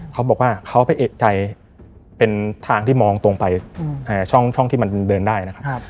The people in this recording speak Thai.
เขาบอกว่าเขาไปเอกใจเป็นทางที่มองตรงไปช่องที่มันเดินได้นะครับ